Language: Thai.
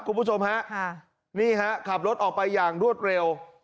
คุณผู้ชมฮะนี่ฮะขับรถออกไปอย่างรวดเร็ว